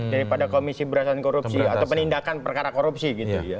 daripada komisi berdasarkan korupsi atau penindakan perkara korupsi gitu ya